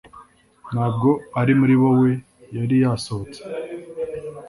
Ntabwo ari muri bo we yari yasohotse